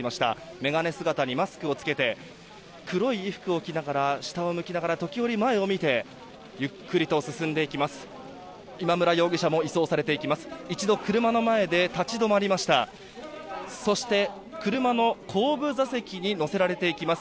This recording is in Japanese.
眼鏡姿にマスクを着けて黒い衣服を着ながら下を向きながら時折前を向いてゆっくりと進んでいきます。